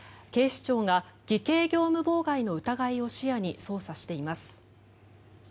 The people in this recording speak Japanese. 警視庁が偽計業務妨害の疑いを視野に捜査しています。